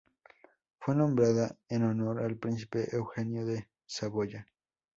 Fue nombrada en honor al Príncipe Eugenio de Saboya.